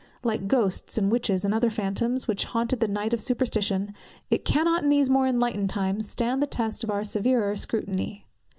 Like ghosts and witches and other phantoms, which haunted the night of superstition, it cannot in these more enlightened times stand the test of our severer scrutiny.